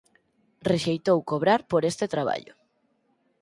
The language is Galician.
Rexeitou cobrar por este traballo.